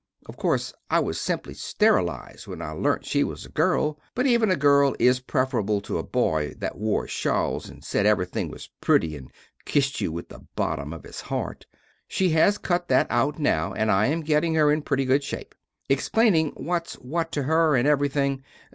Of corse I was simply sterilized when I lernt she was a girl, but even a girl is preferable to a boy that wore shawls and sed everything was prety and kist you with the botom of his heart. She has cut that out now, and I am gettin her in prety good shape. Explaning whats what to her and every thing.